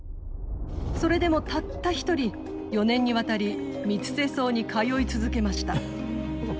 それでもたった一人４年にわたり三ツ瀬層に通い続けました。